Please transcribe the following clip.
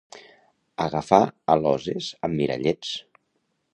Agafar aloses amb mirallets.